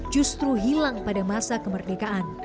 justru hilang pada masa kemerdekaan